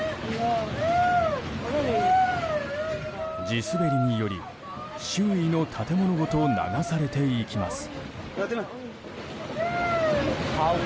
地滑りにより、周囲の建物ごと流されていきます。